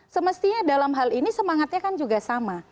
semestinya dalam hal ini semangatnya kan juga sama